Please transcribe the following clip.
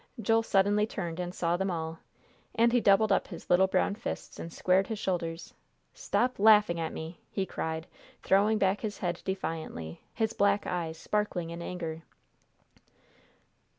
Joel suddenly turned and saw them all; and he doubled up his little brown fists, and squared his shoulders. "Stop laughing at me!" he cried, throwing back his head defiantly, his black eyes sparkling in anger.